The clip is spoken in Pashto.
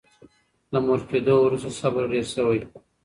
له مور کېدو وروسته صبر ډېر شوی.